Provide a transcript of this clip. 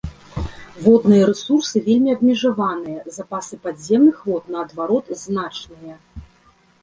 Водныя рэсурсы вельмі абмежаваныя, запасы падземных вод наадварот значныя.